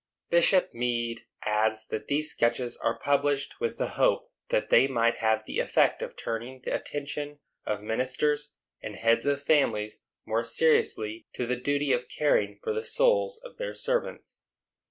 Bishop Meade adds that these sketches are published with the hope that they might have the effect of turning the attention of ministers and heads of families more seriously to the duty of caring for the souls of their servants.